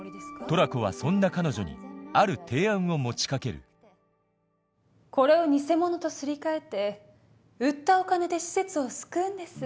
トラコはそんな彼女にある提案を持ち掛けるこれを偽物とすり替えて売ったお金で施設を救うんです。